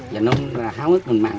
và nôn ra háo nước mình mặn